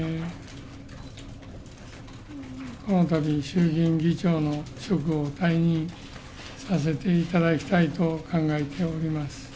このたび、衆議院議長の職を退任させていただきたいと考えております。